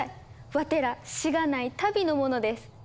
わてらしがない旅の者です。